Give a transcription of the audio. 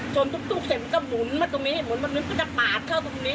ชนตุ๊กเสร็จมันก็หมุนมาตรงนี้หมุนมานึงก็จะปาดเข้าตรงนี้